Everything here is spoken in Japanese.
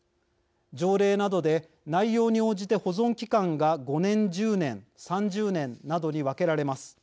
条例などで、内容に応じて保存期間が５年、１０年３０年などに分けられます。